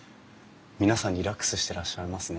皆さんリラックスしてらっしゃいますね。